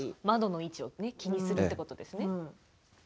窓の位置を気にするということですね。